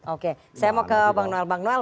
oke saya mau ke bang noel